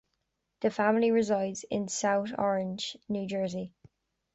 The family resides in South Orange, New Jersey.